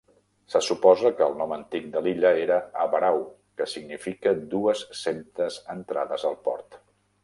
Se suposa que el nom antic de l"illa era "Avarau", que significa "dues centes entrades al port".